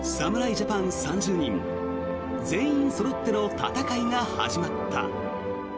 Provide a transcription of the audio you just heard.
ジャパン３０人全員そろっての戦いが始まった。